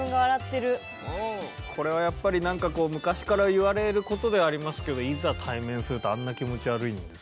これはやっぱり昔からいわれることではありますけどいざ対面するとあんな気持ち悪いんですねやっぱりね。